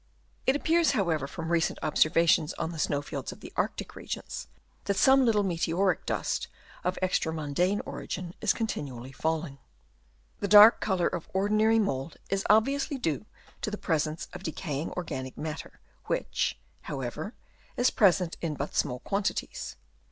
It appears, however, from recent observations on the snow fields of the Arctic regions, that some little meteoric dust of extra mundane origin is continually falling. The dark colour of ordinary mould is obviously due to the presence of decaying organic matter, which, however, is present in but small quantities.